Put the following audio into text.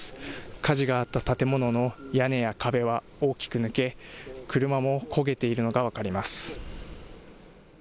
火事があった建物の屋根や壁は大きく抜け車も焦げているのが分かります。